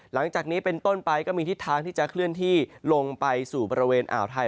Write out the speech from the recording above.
หลังจากนี้เป็นต้นไปก็มีทิศทางที่จะเคลื่อนที่ลงไปสู่บริเวณอ่าวไทย